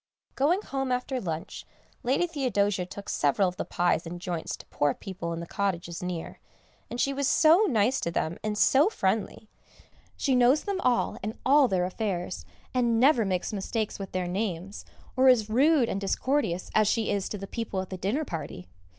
Going home after lunch Lady Theodosia took several of the pies and joints to poor people in the cottages near, and she was so nice to them, and so friendly; she knows them all and all their affairs, and never makes mistakes with their names, or is rude and discourteous as she was to the people at the dinner party.